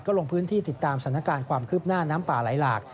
ลงพื้นที่ติดตามสถานการณ์ความคืบหน้าน้ำป่าไหลหลาก